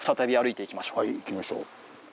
はいいきましょう。